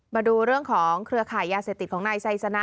มาดูเรื่องของเครือข่ายยาเสพติดของนายไซสนะ